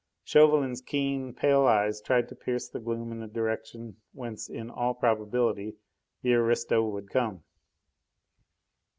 Chauvelin's keen, pale eyes tried to pierce the gloom in the direction whence in all probability the aristo would come.